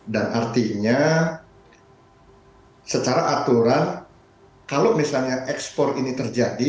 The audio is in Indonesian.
dan artinya secara aturan kalau misalnya ekspor ini terjadi